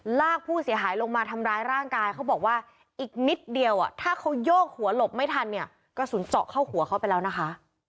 ลากผู้เสียหายลงมาทำร้ายร่างกายเขาบอกว่าอีกนิดเดียวถ้าเขาโยกหัวหลบไม่ทันเนี่ยกระสุนเจาะเข้าหัวเขาไปแล้วนะคะ